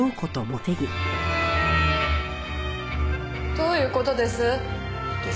どういう事です？